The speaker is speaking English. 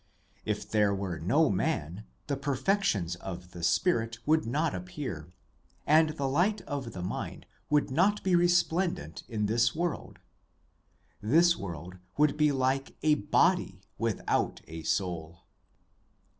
If there were no man, the perfections of the spirit would not appear, and the light of the mind would not be resplendent in this world. This world would be like a body without a soul.